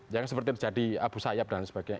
yang seperti terjadi abu sayyaf dan sebagainya